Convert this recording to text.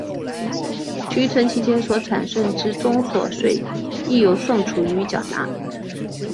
提存期间所产生之综所税亦由宋楚瑜缴纳。